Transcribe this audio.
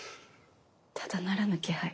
ただならぬ気配？